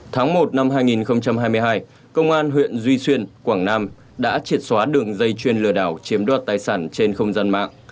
tháng một năm hai nghìn hai mươi hai công an huyện duy xuyên quảng nam đã triệt xóa đường dây chuyên lừa đảo chiếm đoạt tài sản trên không gian mạng